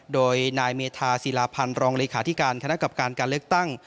โดยนายเมธาศิลาพันธ์รองเลขาธิการคณะกรรมการการเลือกตั้ง